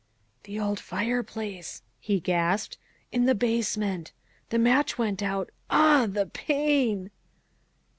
" The old fireplace," he gasped, " in the basement. The match went out ah, the pain!"